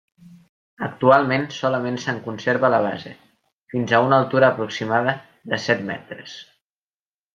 Actualment solament se'n conserva la base, fins a una altura aproximada de set metres.